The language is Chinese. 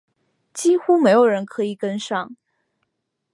几乎没有人可以跟上